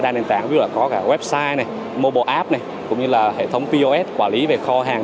đa nền tảng với là có cả website này mobile app này cũng như là hệ thống pos quản lý về kho hàng